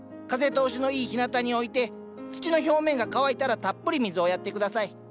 風通しのいいひなたに置いて土の表面が乾いたらたっぷり水をやって下さい。